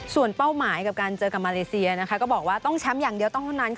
ส่วนเป้าหมายกับการเจอกับมาเลเซียก็บอกว่าต้องแชมป์อย่างเดียวต้องเท่านั้น